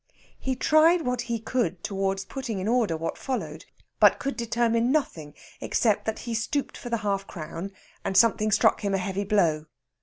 He tried what he could towards putting in order what followed, but could determine nothing except that he stooped for the half crown, and something struck him a heavy blow.